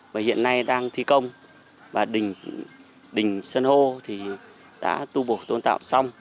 và hiện nay đang thi công và đình sơn hô thì đã tu bổ tôn tạo xong